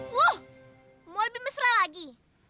wuh mau lebih mesra lagi